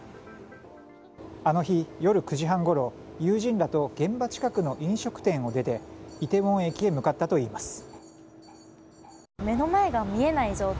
あの日、夜９時半ごろ友人らと現場近くの飲食店を出てイテウォン駅へ向かったといいます。